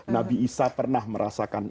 nabi isa pernah merasakan